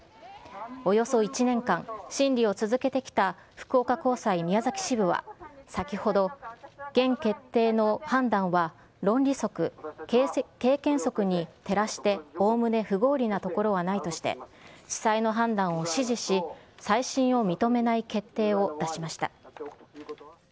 およそ１年間、審理を続けてきた福岡高裁宮崎支部は、先ほど原決定の判断は論理則、経験則に照らしておおむね不合理なところはないとして地裁の判断を支持し、再審を認めない決定を出しました。